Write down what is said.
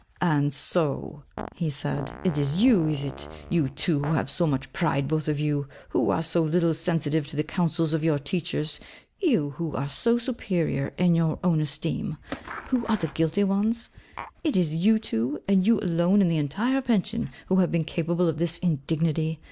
'And so,' he said, 'it is you, is it; you two who have so much pride, both of you; who are so little sensitive to the counsels of your teachers, you, who are so superior in your own esteem, who are the guilty ones? It is you two, and you alone in the entire Pension, who have been capable of this indignity?